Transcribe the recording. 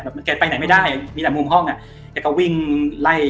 เหมือนแกไปไหนไม่ได้มีแต่มุมห้องอ่ะแกก็วิ่งไล่